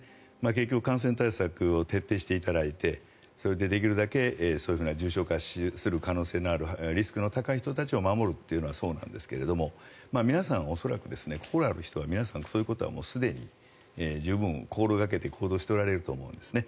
結局、感染対策を徹底していただいてそれでできるだけそういうふうな重症化する可能性のあるリスクの高い人たちを守るというのはそうなんですけど皆さん、心ある人は恐らくそういうことはすでに十分心がけて行動しておられると思うんですね。